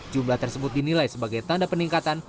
jumlah tersebut dinilai sebagai tanda peningkatan